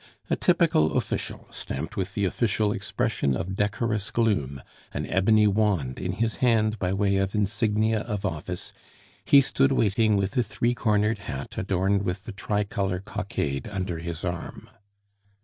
A typical official, stamped with the official expression of decorous gloom, an ebony wand in his hand by way of insignia of office, he stood waiting with a three cornered hat adorned with the tricolor cockade under his arm.